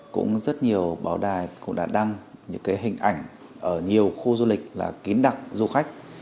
cũng rất nhiều báo đài cũng đã đăng những cái hình ảnh ở nhiều khu du lịch là kín đặc du khách